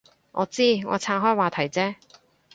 我知，我岔开话题啫